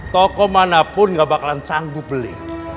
toko manapun nggak bakalan sanggup beli